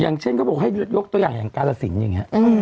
อย่างเช่นเขาบอกให้ยกตัวอย่างอย่างกาลสินอย่างนี้